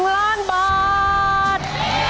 ๑ล้านบาท